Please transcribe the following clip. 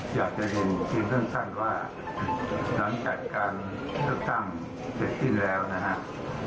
ผมอยากจะเรียนซึ่งเรื่องสั้นว่าหลังจากการภาพสร้างเสร็จสิ้นแล้วนะครับ